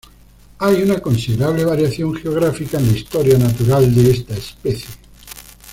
Hay una considerable variación geográfica en la historia natural de esta especie.